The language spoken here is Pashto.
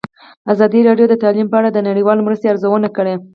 ازادي راډیو د تعلیم په اړه د نړیوالو مرستو ارزونه کړې.